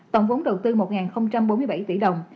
tổng vốn đầu tư một bốn mươi bảy tỷ đồng